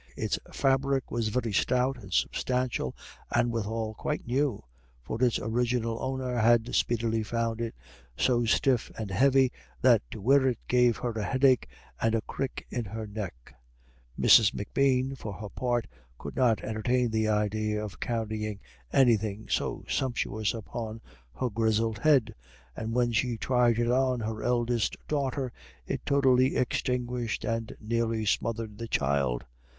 Its fabric was very stout and substantial, and withal quite new, for its original owner had speedily found it so stiff and heavy that to wear it gave her a headache and a crick in her neck. Mrs. M'Bean, for her part, could not entertain the idea of carrying anything so sumptuous upon her grizzled head; and when she tried it on her eldest daughter, it totally extinguished and nearly smothered the child.